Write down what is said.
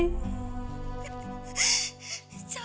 capek kayak anak tiri